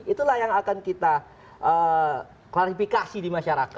itulah yang akan kita klarifikasi di masyarakat